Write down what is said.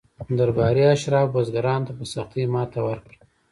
درباري اشرافو بزګرانو ته په سختۍ ماته ورکړه.